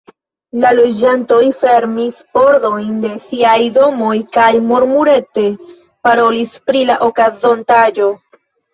La loĝantoj fermis pordojn de siaj domoj kaj murmurete parolis pri la okazontaĵo.